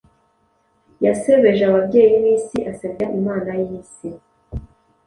Yasebeje ababyeyi b'isi, asebya Imana y'Isi,